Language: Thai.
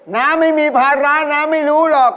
น้าไม่มีภาระน้าไม่รู้หรอก